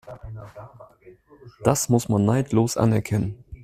Das muss man neidlos anerkennen.